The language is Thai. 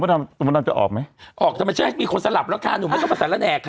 เออมันต้องจะออกไหมออกจะไม่ใช่มีคนสลับแล้วค่ะหนุ่มไม่ต้องมาสารแรกค่ะ